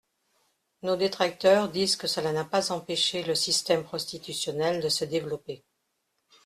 Nos détracteurs disent que cela n’a pas empêché le système prostitutionnel de se développer.